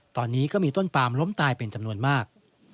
ตอนนี้ก็มีต้นปามล้มตายเป็นจำนวนมาก